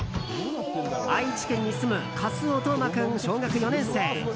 愛知県に住む粕尾橙真君小学４年生。